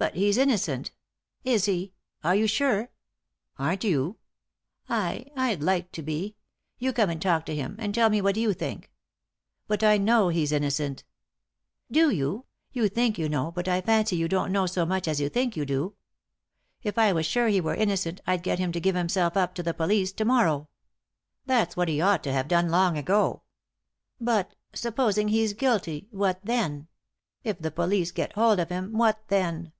"But he's innocent." "Is he ? Are you sure ?"" Aren't you ?"" I— I'd like to be. You come and talk to him, and tell me what you think." "But I know he's innocent." " Do you ? You think you know, but I fancy you don't know so much as you think you do. If I were sure he were innocent I'd get him to give him self up to the police to morrow." "That's what he ought to have done long ago." " But— supposing he's guilty, what then ? If the police get hold of him, what then